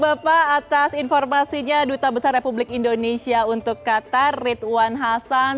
terima kasih atas informasinya duta besar republik indonesia untuk qatar ridwan hasan